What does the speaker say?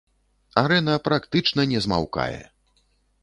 Арэна практычна не змаўкае.